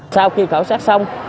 sau khi khảo sát xong